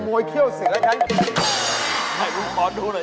ขโมยเขี้ยวเสือใช่ไหมครับให้คุณพอดูหน่อย